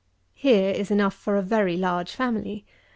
Here is enough for a very large family.